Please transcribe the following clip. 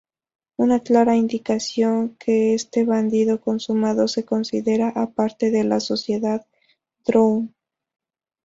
Una clara indicación que este bandido consumado se considera aparte de la sociedad drow.